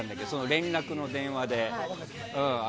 連絡の電話で。